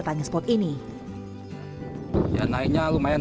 yang allen lord